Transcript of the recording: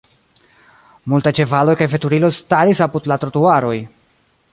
Multaj ĉevaloj kaj veturiloj staris apud la trotuaroj.